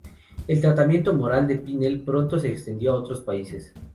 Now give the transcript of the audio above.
El tratamiento moral de Pinel pronto se extendió a otros países.